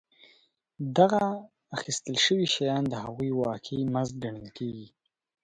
دغه اخیستل شوي شیان د هغوی واقعي مزد ګڼل کېږي